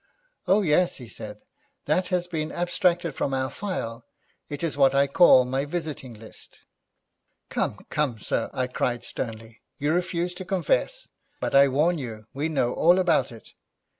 'Oh, yes,' he said, 'that has been abstracted from our file. It is what I call my visiting list.' 'Come, come, sir,' I cried sternly, 'you refuse to confess, but I warn you we know all about it.